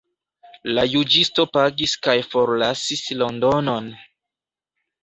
La juĝisto pagis kaj forlasis Londonon.